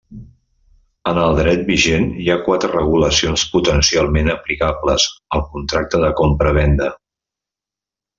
En el dret vigent hi ha quatre regulacions potencialment aplicables al contracte de compravenda.